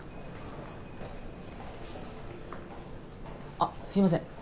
あっすいません